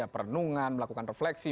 perenungan melakukan refleksi